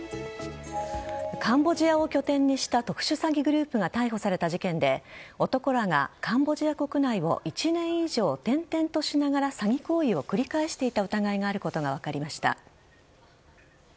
カンボジアを拠点にした特殊詐欺グループが逮捕された事件で男らがカンボジア国内を１年以上、転々としながら詐欺行為を繰り返していた疑いがあることが分かりました。